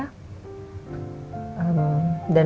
dan mama juga mau beritahu